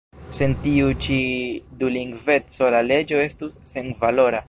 Sen tiu ĉi dulingveco la leĝo estus senvalora.